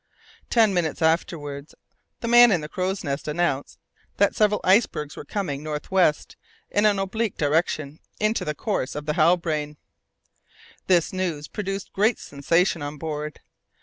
Ten minutes afterwards, the man in the crow's nest announced that several icebergs were coming from the north west, in an oblique direction, into the course of the Halbrane. This news produced a great sensation on board.